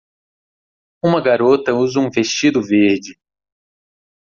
Uma garota usa um vestido verde.